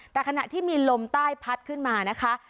แต่ขณะที่มีลมใต้พัดขึ้นมานะคะ